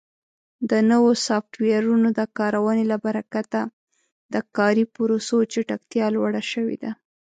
د نوو سافټویرونو د کارونې له برکت د کاري پروسو چټکتیا لوړه شوې ده.